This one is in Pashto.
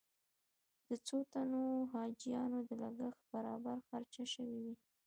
د څو تنو حاجیانو د لګښت برابر خرچه شوې وي.